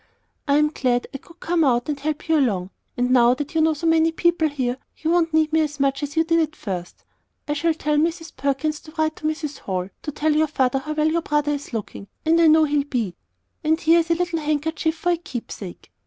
"I'm glad I could come out and help you along; and now that you know so many people here, you won't need me so much as you did at first. I shall tell Mrs. Perkins to write to Mrs. Hall to tell your father how well your brother is looking, and I know he'll be And here's a little handkerchief for a keepsake."